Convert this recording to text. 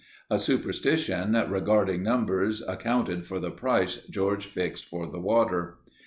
A superstition regarding numbers accounted for the price George fixed for the water.